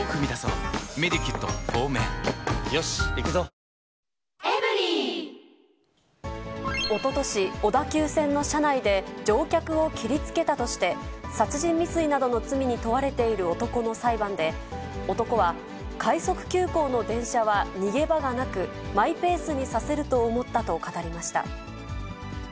シミの原因に根本アプローチおととし、小田急線の車内で乗客を切りつけたとして、殺人未遂などの罪に問われている男の裁判で、男は、快速急行の電車は、逃げ場がなく、マイペースに刺せると思ったと語りました。